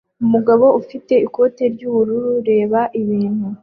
umugabo ufite ikoti ry'ubururu reba ibintu